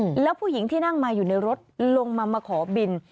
อืมแล้วผู้หญิงที่นั่งมาอยู่ในรถลงมามาขอบิน